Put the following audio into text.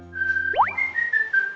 kalo diambil semua